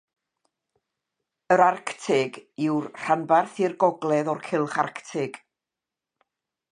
Yr Arctig yw'r rhanbarth i'r gogledd o'r Cylch Arctig.